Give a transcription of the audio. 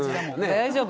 大丈夫。